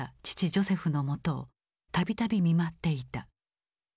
ジョセフのもとをたびたび見舞っていた。